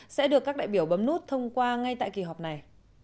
sẽ được các đại biểu bấm nút thông qua ngay tại kỳ họp này